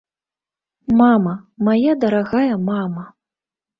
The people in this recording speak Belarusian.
Мама, мая дарагая мама!